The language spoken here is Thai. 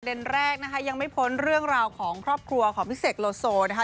แรกนะคะยังไม่พ้นเรื่องราวของครอบครัวของพี่เสกโลโซนะคะ